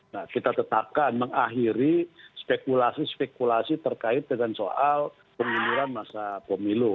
nah kita tetapkan mengakhiri spekulasi spekulasi terkait dengan soal pengunduran masa pemilu